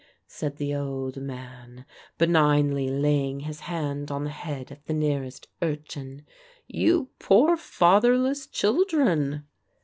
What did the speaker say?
said the old man, benignly laying his hand on the head of the nearest urchin; "you poor fatherless children!"